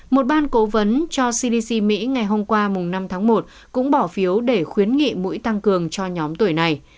một ban cố vấn cho cdc mỹ ngày hôm qua năm tháng một cũng bỏ phiếu để khuyến nghị mũi tăng cường cho nhóm tuổi này